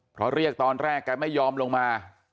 เพราะเรียกตอนแรกแกไม่ยอมลงมา